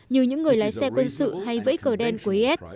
như những người lái xe quân sự hay vẫy cờ đen của is